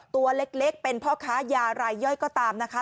ตัวเล็กเป็นพ่อค้ายารายย่อยก็ตามนะคะ